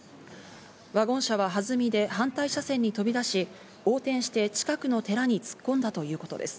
ワゴン車は弾みで反対車線に飛び出し、横転して近くの寺に突っ込んだということです。